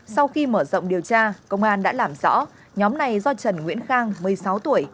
sau khi mở rộng điều tra công an đã làm rõ nhóm này do trần nguyễn khang một mươi sáu tuổi